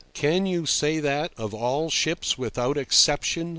"Can you say that of all ships without exception?"